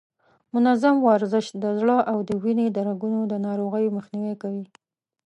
منظم ورزش د زړه او د وینې د رګونو د ناروغیو مخنیوی کوي.